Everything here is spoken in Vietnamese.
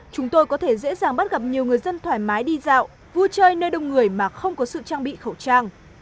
chúng tôi có thể dễ dàng bắt gặp nhiều người dân thoải mái đi dạo vui chơi nơi đông người mà không có sự trang bị khẩu trang